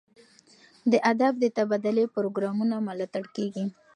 د ادب د تبادلې پروګرامونو ملاتړ کیږي.